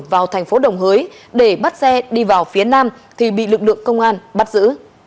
vào thành phố đồng hới để bắt xe đi vào phía nam thì bị lực lượng công an bắt giữ